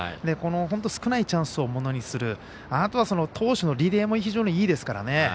この少ないチャンスをものにするあとは投手のリレーも非常にいですからね。